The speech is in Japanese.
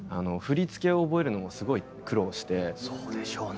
そうでしょうね。